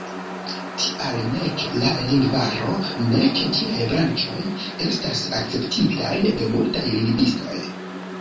Tial nek la lingvaro, nek ĝiaj branĉoj, estas akceptitaj de multaj lingvistoj.